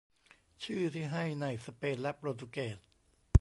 ชื่อที่ให้ในสเปนและโปรตุเกส